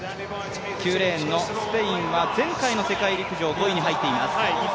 ９レーンのスペインは前回の世界陸上５位に入っています